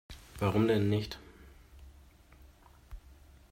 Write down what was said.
Warum denn nicht?